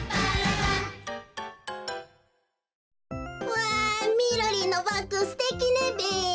わあみろりんのバッグすてきねべ。